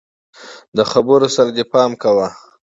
د خبرو سره دي پام کوه!